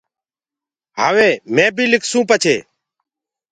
هآوي مي بيٚ لکسونٚ پڇي